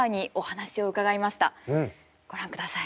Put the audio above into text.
ご覧ください。